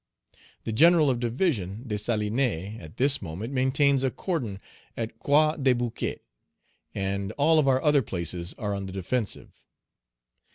The General of Division, Dessalines, at this moment maintains a cordon at Croix des Bouquets; and all our other places are on the defensive.